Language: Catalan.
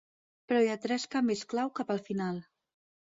Però hi ha tres canvis clau cap al final.